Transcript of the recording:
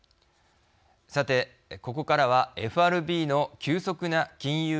さてここからはＦＲＢの急速な金融